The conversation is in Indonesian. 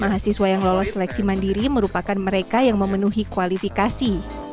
mahasiswa yang lolos seleksi mandiri merupakan mereka yang memenuhi kualifikasi